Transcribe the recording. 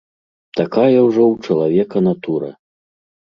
Такая ўжо ў чалавека натура.